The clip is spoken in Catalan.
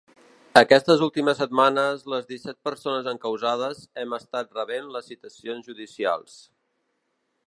Aquestes últimes setmanes les disset persones encausades hem estat rebent les citacions judicials.